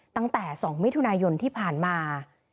ตั้งแต่๒มิถุนายนที่ผ่านมา